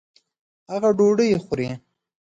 هغه ډوډۍ خوري